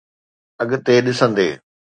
اڳتي ڏسندي.